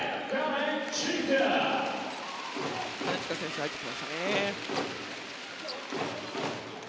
金近選手が入ってきましたね。